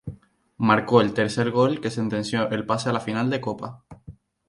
Marcó el tercer gol que sentenció el pase a la final de Copa.